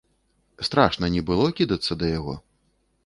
Страшна не было кідацца да яго?